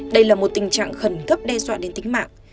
đây là một tình trạng khẩn cấp đe dọa đến tính mạng